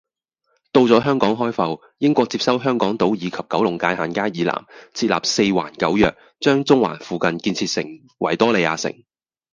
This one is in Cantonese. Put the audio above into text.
到咗香港開埠，英國接收香港島以及九龍界限街以南，設立四環九約，將中環附近建設成維多利亞城